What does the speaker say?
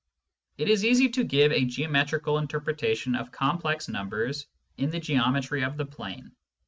It is easy to give a geometrical interpretation of complex numbers in the geometry of the plane.